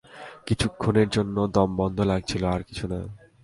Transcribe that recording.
কিছুক্ষণের জন্য দমবন্ধ লাগছিল, আর কিছুনা।